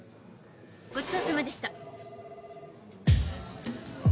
ごちそうさまでした。